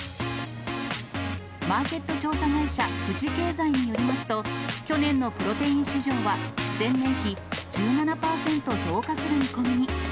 マーケット調査会社、富士経済によりますと、去年のプロテイン市場は、前年比１７％増加する見込みに。